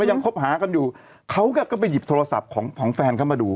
ยังคบหากันอยู่เขาก็ไปหยิบโทรศัพท์ของแฟนเข้ามาดู